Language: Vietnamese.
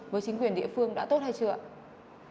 với chính quyền địa phương đã tốt hay chưa ạ